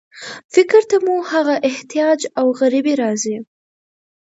فکر ته مو هغه احتیاج او غریبي راځي.